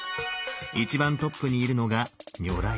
一番トップにいるのが如来。